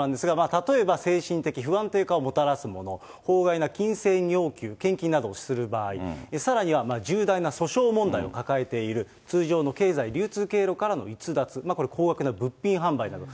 例えば、精神的不安定化をもたらすもの、法外な金銭要求、献金などをする場合、さらには重大な訴訟問題を抱えている、通常の経済流通経路からの逸脱、これは高額な物品販売など。